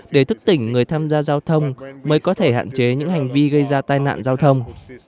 để thức tỉnh người tham gia giao thông mới có thể hạn chế những hành vi gây ra tai nạn giao thông